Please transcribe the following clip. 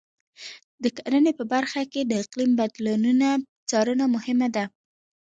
د کرنې په برخه کې د اقلیم بدلونونو څارنه مهمه ده.